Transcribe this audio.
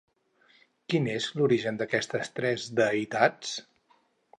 Quin és l'origen d'aquestes tres deïtats?